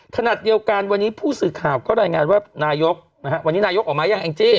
ขณะเดียวกันวันนี้ผู้สื่อข่าวก็รายงานว่านายกนะฮะวันนี้นายกออกมายังแองจี้